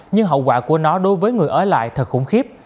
nhưng hậu quả của nó đối với người ở lại thật khủng khiếp